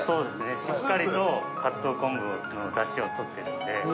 しっかりと、かつお昆布のだしを取ってるので。